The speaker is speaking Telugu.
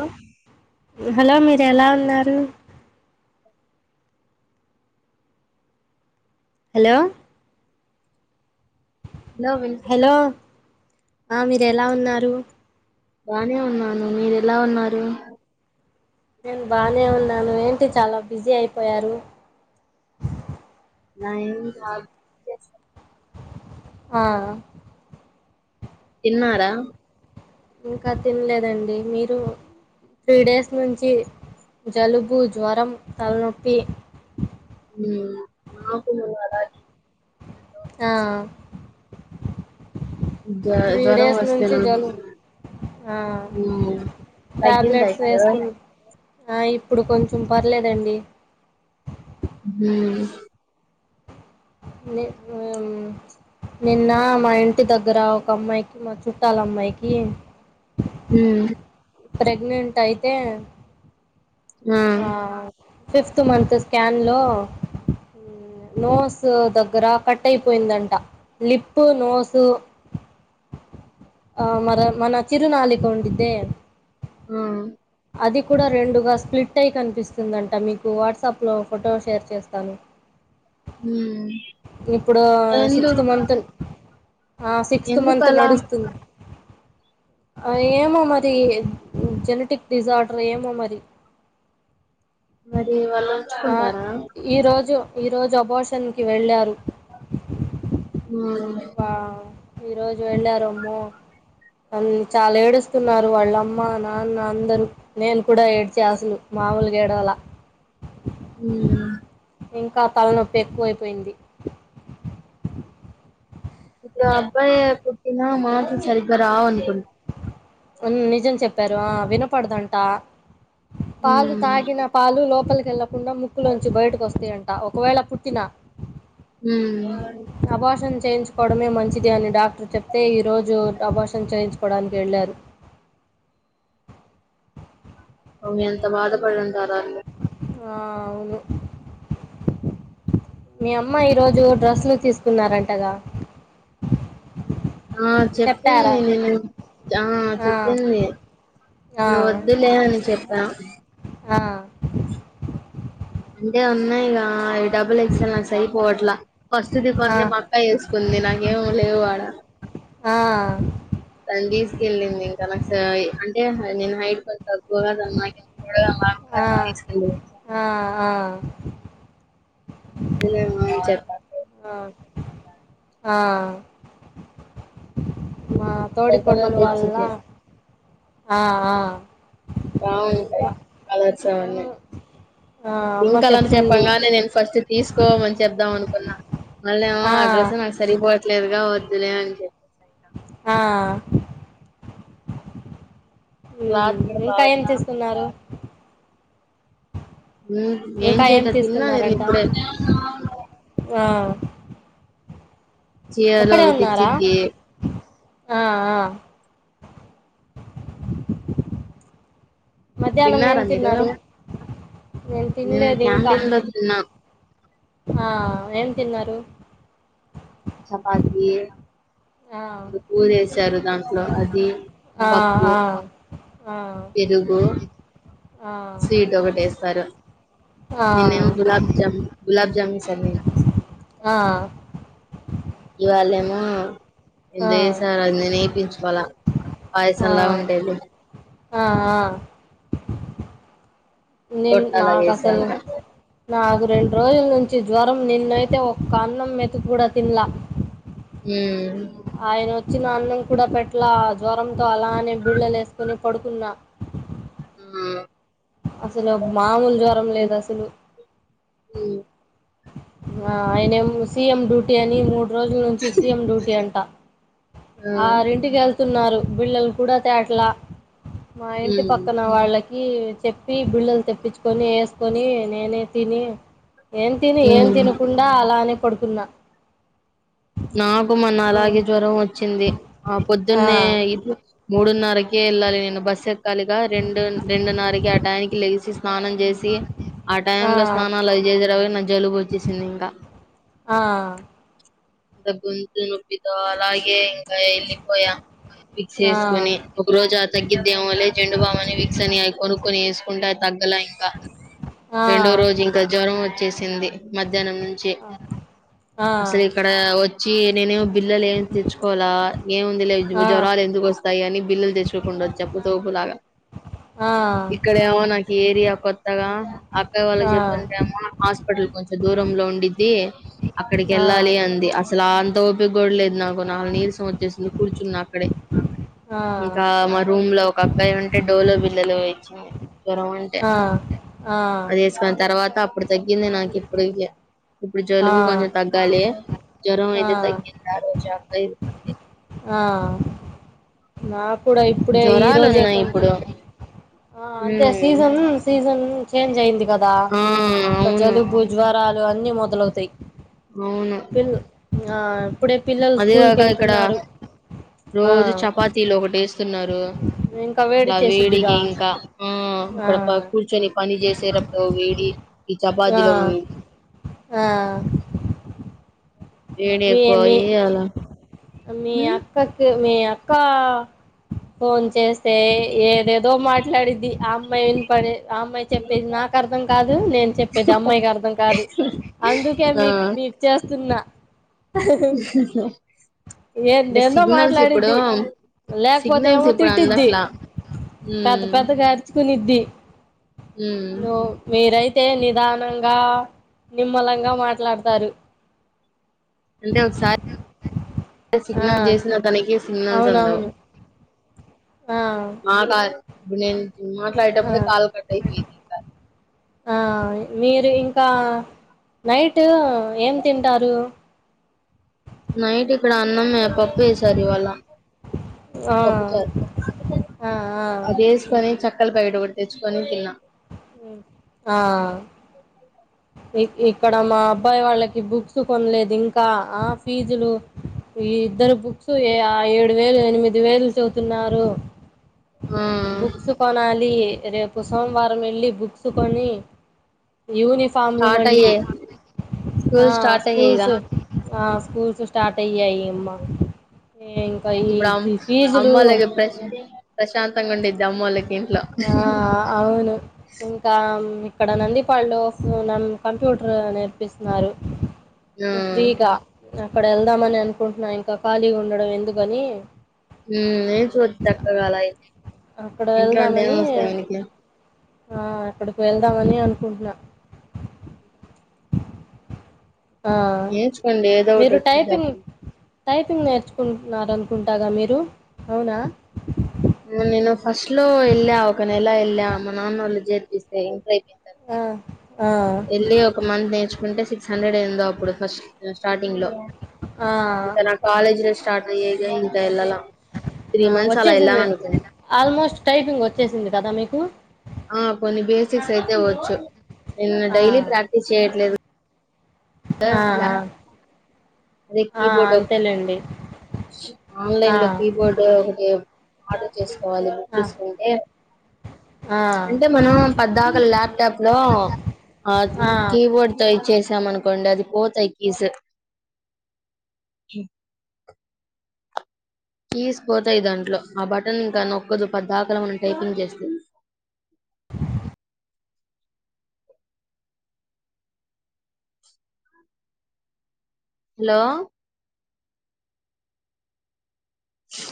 అ హలో మీరు ఎలా ఉన్నారు హలో లో వినిపిస్ హలో ఆ మీరు ఎలా ఉన్నారు బానే ఉన్నాను మీరు ఎలా ఉన్నారు నేను బానే ఉన్నాను ఏంటి చాలా బిజీ అయిపోయారు నా ఏం కాదు [inaudible] ఆ తిన్నారా ఇంకా తిన్లేదండి మీరు త్రీ డేస్ నుంచి జలుబు జ్వరం తలనొప్పి మ్మ్ మాకు అలాగే ఆ జ త్రీ జ్వరం డేస్ వస్తే నుంచి నాకు జలుబు ఆ మ్మ్. తగ్గిందా టాబ్లెట్స్ ఇప్పుడు వేసుకుం ఆ ఇప్పుడు కొంచెం పర్లేదండి మ్మ్ మీ మ్మ్ నిన్న మా ఇంటి దగ్గర ఒక అమ్మాయికి మా చుట్టాలమ్మాయికి మ్మ్ ప్రెగ్నెంట్ అయితే ఆ ఫిఫ్త్ మంత్ స్కాన్లో మ్మ్ నోస్ దగ్గర కట్ అయిపోయిందంట లిప్పు నోసు ఆ మర మన చిరునాలిక ఉండిద్దే ఆ అది కూడా రెండుగాస్ స్ప్లిట్టై కనిపిస్తుందంట మీకు వాట్సాప్లో ఫోటో షేర్ చేస్తాను మ్మ్. ఇప్పుడూ ఎందు సిక్స్త్ మంతల్ ఆ సిక్స్తు ఎందుకు మంత్ అలా నడుస్తుంది ఆ ఏమో మరి జెనెటిక్ డిజార్డర్ ఏమో మరి మరి వాళ్ళు ఆ ఉంచుకుంటారా ఈ రోజు ఈరోజు అబాషన్కి వెళ్ళారు మ్మ్. వా ఈ రోజు వెళ్ళారమ్మో అన్ చాలా ఏడుస్తున్నారు వాళ్ళ అమ్మ నాన్న అందరూ నేను కూడా ఏడ్చా అసలు మామూలగా ఏడవల మ్మ్ ఇంకా తలనొప్పి ఎక్కువైపోయింది ఇప్పుడు అబ్బాయి పుట్టిన మాట్లు సరిగ్గా రావనుకుం మ్మ్ నిజం చెప్పారు ఆ వినపడదంట పాలు మ్మ్. తాగిన పాలు లోపలికి క వెళ్లకుండా ముక్కులోంచి బయటకు వస్తయంట ఒకవేళ పుట్టినా మ్మ్ చేయించుకోవడమే మంచిది అని డాక్టర్ చెప్తే ఈరోజు అబాషన్ చేయించుకోడానికి వెళ్ళారు ఓమే ఎంత బాధ పడుంటారు వాళ్ళు ఆ అవును మీ అమ్మ ఈరోజు డ్రస్లు తీసుకున్నారంటగా ఆ చెప్పారా చెప్పింది నిన్న ఆ చెప్పింది ఆ నువ్వొద్దులే అని చెప్పా ఆ అంటే ఉన్నయ్ గా డబ్బులు ఎక్సల్ నా సైపోవట్లా ఫస్ట్ ది ఆ కొంద మక్కా వేసుకుంది నాకేం లేవు వాడ ఆ తను తిస్కిళ్లింది ఇంక నాకు సైజ్ అదే నేను హైట్ కొంచెం తక్కువగాను ఆ [unintelligible] ఆ ఆ ఎల్లమ్గానే చెప్ప ఆ ఆ మా పెద్దమ్మ తోడికొడలు వాళ్ళ తెచ్చిద్ది ఆ ఆ అవును కళసవణ అమ్మ అన్నీ ఆ ఇంక అమ్మ అలాని చెప్తుంది చెప్పంగానే నేను ఫస్ట్ తీసుకోమని చెబుదాం అనుకో న్న మళ్ళ ఏమో ఆ డ్రస్ నాకు సరిపోవట్లేదుగా వద్దులే అని చెప్పే ఆ క్లాత్ కూడా ఆ ఇంకా బాగా ఏం తీస్ చేస్తున్నారు ఉమ్ ఏం ఇంకా చేయట తిన్నా నేను తీసుకున్నారంట ఇప్పుడే ఆ చీరలు అక్కడే అవి ఉన్నారా తెచ్చిద్ది ఆ ఆ మధ్యాహ్నం ఏం తిన్నారా మీరు తిన్నారు నేను తినలేదు ఇంకా క్యాంటీన్లో తిన్నా ఆ ఏం తిన్నారు చపాతీ ఆ కురుశారు దాంట్లో అది ఆ పప్పు ఆ ఆ పెరుగు స్వీట్ ఒకట ఎస్తారు ఆ నిన్నేమో గులాబ్ జా గులాబ్ జామున్ ఏసన్నే ఆ ఇవాళ మో ఆ ఎందో వేసారు అది నేనేయిపించుకోల ఆ పాయసంలా ఉండేది అది ఆ ఆ నేను గొట్టాల నాకు వేసారు అసలు ఇంకా నాకు రెండు రోజుల నుంచి జ్వరం నిన్నైతే ఒక్క అన్నం మెతుకు కూడా తిన్ల ఉమ్. ఆయన వచ్చిన అన్నం కూడా పెట్లా జ్వరంతో అలానే బిళ్ళలు వేసుకొని పడుకున్నా ఆ అసలు మామూలు జ్వరం లేదు అసలు ఉమ్. ఆ ఆయనం సీఎం డ్యూటీ అని మూడు రోజుల నుంచి సీఎం డ్యూటీ అంట ఆ. ఆరింటికి వెళ్తున్నారు బిళ్లలు కూడా తేటలా మా ఇంటి ఉమ్. పక్కన వాళ్ళకి చెప్పి బిళ్ళలు తెప్పించుకొని వేసుకొని నేనే తిని ఏం తిని ఏం ఉమ్. తినకుండా అలానే పడుకున్నా నాకు మన్న అలాగే జ్వరం వచ్చింది ఆ ఆ పొద్దున్నే ఇప్పు మూడున్నరకే వెళ్ళాలి నేను బస్ ఎక్కలుగా రెండు రెండున్నరకి ఆ టానికి లేచి స్నానం చేసి ఆ టైంలో స్నానాలు అవిజే జరవ నా జలుబుచ్చేసింది ఇంకా ఆ బ్ గొంతు నొప్పితో అలాగే ఇంకా ఎల్లి పోయా విక్స్ ఏసుకుని ఒక రోజు ఆ తగ్గిద్దేంలే జండు బామ్ విక్స్ అని అయికను కని వేసుకుంటే తగ్గల ఇంకా ఆ ఆ రెండో రోజు ఇంకా జ్వరం వచ్చేసింది మ ధ్యానం నుంచి ఆ అసల్ ఆ వచ్చి నేనే బిల్లలు ఏమి తెచ్చుకోవాల ఏముంది లే ఆ జ్వరాలు ఎందుకోస్ వస్తాయి అని బిల్లులు తెసుకోకుండా వచ్చాప్పుతోపులాగా ఆ ఇక్కడేమో నా ఏరియా కొత్తగా అక్కయ వాళ్ళకి ఆ ఆ చెప్తుంటే అమ్మో నాక్ హటల్ కొంచెం దూరంలో ఉండిద్ది అక్కడికి వెళ్ళాలి అంది అసలు అంత ఓపికకూడ లేదు నాకు నాకు నిరసం వచ్చేసింది కూర్చున్న అక్కడే ఇంకా మా రూమ్ లో ఒక అక్కయ ఉంటే డోలో బిల్లలు ఇచ్చింది జ్వరం అంటే ఆ ఆ అది వేసుకుని తర్వాత ఇప్పుడు తగ్గింది నాకు ఇప్పుడు ఇప్పుడు జలుబు కొంచెం తగ్గాలి ఆ రమైతే తగ్గింది ఆ రోజు ఆ [unintelligible] ఆ నా కూడా ఇప్పుడే ఈ జ్వరాలు రోజే ఉన్నాయి కొంచం ఇప్పుడు ఆ అదే ఉమ్ సీజన్ సీజన్ చేంజ్ అయింది కద్ దా ఆ అవును జలుబు జ్వరాలు అన్నిీ మొదలవుతాయి అవును పిల్ ఆ ఇప్పుడే పిల్లలు అదే స్కూల్ కి కాక ఇక్కడ వెళ్తున్నారు ఆ రోజు చపాతీలు ఒకటిేస్తున్నారు ఇంకా వేడి అట్లా చేసిద్దిగా వేడికి ఇంకా ఆ ఆ ఏక్కడ ప కూర్చొని పని చేసేటప్పుడు వేడి ఈ ఆ చపాతిలోక వేడి ఆ వేడి మీ ఎక్కువ మీ అయ్యి అలా మీ ఉమ్ అక్కాకి మీ అక్కా ఫోన్ చేస్తే ఏదేదో మాట్లాడిద్ధి ఆ అమ్మాయి ఈనపడే అమ్మాయి చెప్పేది నాకు అర్థం కాదు నేను చెప్పేది అమ్మాయికి అర్థం కాదు అందుకే ఆ మీక్ మీ మీక్ చేస్తున్నా అంటే ఎందెందో సిగ్నల్స్ మాట్లాడిద్ది ఇప్పుడు లేకపోతే సిగ్నల్స్ ఏమో ఇప్పుడు తిట్టిద్ది అందట్లా పెద్ద ఉమ్ పెద్దగా ఆర్చుకునిద్ది ఉమ్ నువ్వు మీరై తే నిదానంగా నిమ్మలంగా మాట్లాడతారు అంటే ఒకసారి ఆ సిగ్నల్ చేసినా తనకి సిగ్నల్స్ అందవు అవునవును ఆ మా కాల్ ఇప్పుడు నేను ఆ మాట్లాడేటప్పుడే కాలు కట్ అయిపోయేది ఇంకా ఆ మీరు ఇంకా నైట్ ఏం తింటారు నైట్ ఇక్కడ అన్నమే పప్పు చేసారు ఇవాళ ఆ పప్పు చారు ఆ అదేసుకోని చేక్కలు బయట ఒకటి తెచ్చుకొని తిన్నా ఆ ఇక్కడ మా అబ్బాయి వాళ్ళకి బుక్స్ కొనలేదు ఇంకా ఆ ఫీజులు ఈ ఇద్దరి బుక్స్ ఏ ఆ ఏడు వేలు ఎనిమిది వేలు చెబుతున్నారు ఆ బుక్స్ కొనాలి రేపు సోమవారం వెళ్ళి బుక్సు కొని యూనిఫామ్లు స్టార్ట్ మళ్ళీ అయ్యాయి ఆ స్కూల్ స్టార్ట్ అయ్యాయి ఇగ స్కూల్స్ ఆ స్కూల్స్ స్టార్ట్ అయ్యాయి అమ్మ ఇంకా ఈ ఇప్పుడు అమ్ ఫీజులు అమ్మోళ్ళకి ప్రశ్ ప్రశాంతంగా ఉండిద్ది అమ్మోళ్ళకి ఇంట్లో ఆ అవును ఇంకా ఇక్కడ నందిపాడులో ఫ్ కంప్యూటర్ నేర్పిస్తున్నారు ఆ ఫ్రీగా అక్కడ వెళ్దామని అనుకుంటున్నా ఇంకా ఖాళీగా ఉండడం ఎందుకని ఏ ఫీజ్ తక్కువ కాలే అయితే అక్కడ వెళ్దామని ఆ అక్కడికి వెళ్దామని అనుకుంటున్నా ఆ నేర్చుకోండి ఏదో ఒకటి మీరు వచ్చిది టైపింగ్ అప్పుడు టైపింగ్ నేర్చుకుంటున్నారనుకుంటాగా మీరు అవునా నేను ఫస్ట్ లో ఎల్లా ఒక నెల ఎల్లె మా నాన్న వాళ్ళ చేర్పిస్తే అయిపోయిన తర్వాత ఆ ఆ వెళ్ళి ఒక మంత్ నేర్చుకుంటే సిక్స్ హండ్రెడ్ అయిందో అప్పుడు ఫస్ట్ స్టార్టింగ్ లో ఆ ఇక నా కాలేజ్ లు స్టార్ట్ అయ్యాయి ఇకా ఎల్లలే ఆ వచ్చేసింది ఆల్మోస్ట్ టైపింగ్ వచ్చేసింది కదా మీకు ఆ కొన్ని బేసిక్స్ అయితే వచ్చు నేను ఆ డైలీ ప్రాక్టీస్ చేయట్లేదు కదా లా- ఆహా అదే ఆ కీబోర్డ్ ఒకటి అంతేలేండి ఆ ఆన్లైన్ లో కీబోర్డు ఒకటో ఆర్డర్ చేసుకోవాలి బుక్ ఆ చేసుకుంటే ఆ అంటే మనం పద్దాకల ల్యాప్టాప్ లో అ ఆ కీబోర్డ్ తో చేద్దాం అనుకోండి అది పోతాయి కీసు కీస్ పోతాయి దాంట్లో ఆ బటన్ ఇంకా నొక్కదు పద్దాకల మనం టైపింగ్ చేస్తుంది ఆ హలో ఉ